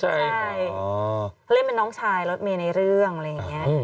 ใช่เล่นเป็นน้องชายรถเมย์ในเรื่องอะไรอย่างนี้